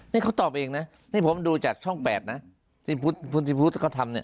นี่เขาตอบเองนะนี่ผมดูจากช่อง๘นะที่พุทธิพุทธเขาทำเนี่ย